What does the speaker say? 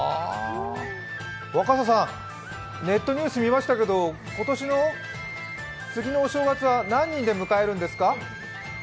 若狭さん、ネットニュース見ましたけど、次のお正月は何人で迎えるんですか？